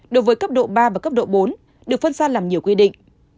đối với cấp độ ba và cấp độ bốn được phân ra làm nhiều quy định